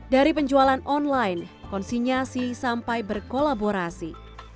dari penjualan online konsinyasi sampai berkolaborasi